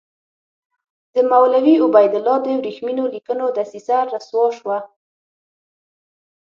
د مولوي عبیدالله د ورېښمینو لیکونو دسیسه رسوا شوه.